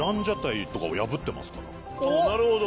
なるほど。